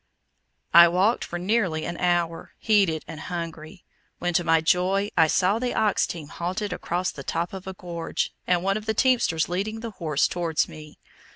I walked for nearly an hour, heated and hungry, when to my joy I saw the ox team halted across the top of a gorge, and one of the teamsters leading the horse towards me.